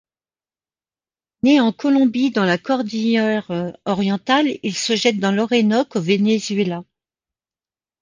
Né en Colombie dans la Cordillère Orientale, il se jette dans l'Orénoque au Venezuela.